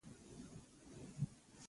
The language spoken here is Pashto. شيان هغسې راته وښايه څرنګه چې دي.